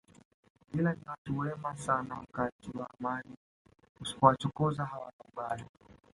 Ila ni watu wema sana wakati wa amani usipowachokoza hawana ubaya